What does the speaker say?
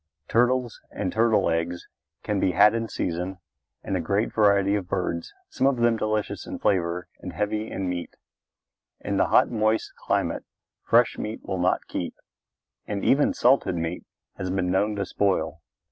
Turtles and turtle eggs can be had in season and a great variety of birds, some of them delicious in flavor and heavy in meat. In the hot, moist climate fresh meat will not keep and even salted meat has been known to spoil.